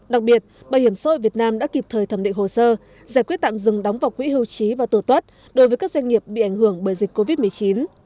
đặc biệt bảo hiểm xã hội việt nam đã kịp thời thẩm định hồ sơ giải quyết tạm dừng đóng vọc quỹ hưu trí và tử tuất đối với các doanh nghiệp bị ảnh hưởng bởi dịch covid một mươi chín